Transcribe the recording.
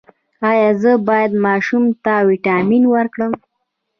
ایا زه باید ماشوم ته ویټامینونه ورکړم؟